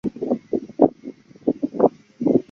抽签仪式同时决定出种子国将各在哪场预赛中投票。